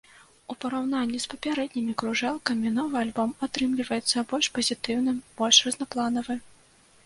У параўнанні з папярэднімі кружэлкамі, новы альбом атрымліваецца больш пазітыўным, больш разнапланавы.